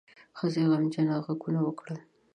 ښځې غمجنه غږونه وکړل.